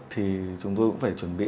thì chúng tôi cũng phải chuẩn bị